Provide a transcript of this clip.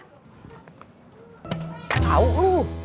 lagian ngapain sih pake ngundurin diri segala